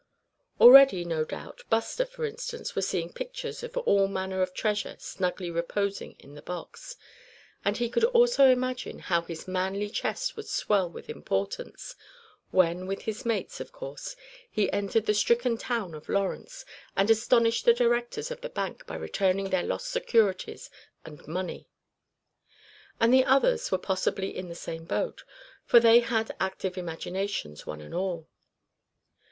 Already, no doubt, Buster, for instance, was seeing pictures of all manner of treasure snugly reposing in the box; and he could also imagine how his manly chest would swell with importance when, with his mates, of course, he entered the stricken town of Lawrence, and astonished the directors of the bank by returning their lost securities and money. And the others were possibly in the same boat, for they had active imaginations, one and all.